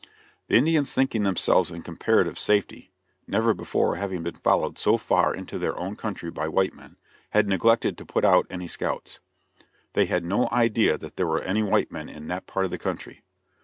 The Indians thinking themselves in comparative safety never before having been followed so far into their own country by white men had neglected to put out any scouts. They had no idea that there were any white men in that part of the country.